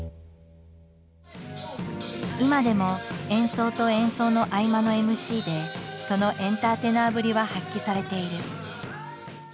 今でも演奏と演奏の合間のＭＣでそのエンターテイナーぶりは発揮されている。